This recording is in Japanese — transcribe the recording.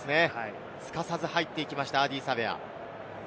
すかさず入っていきました、アーディー・サヴェア。